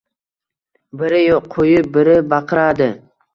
Biri qo‘yib, biri baqiradi